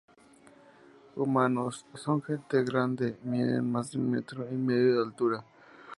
Humanos: Son gente grande, miden más de un metro y medio de altura.